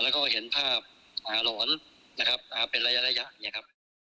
แล้วก็เห็นภาพหลอนนะครับเป็นระยะเนี่ยครับ